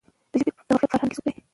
د ژبي غفلت فرهنګي سقوط دی.